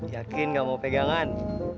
yakin nggak mau pegangan